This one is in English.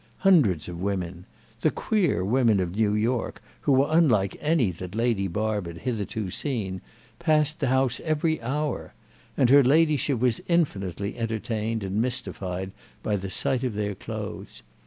Hundreds of women—the queer women of New York, who were unlike any that Lady Barb had hitherto seen—passed the house every hour; and her ladyship was infinitely entertained and mystified by the sight of their clothes.